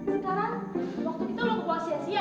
sekarang waktu kita udah puas sia sia dong